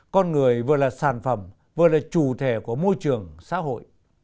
con người vừa là sản phẩm vừa là chủ thể của môi trường xã hội